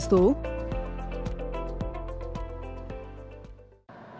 chuyển đổi số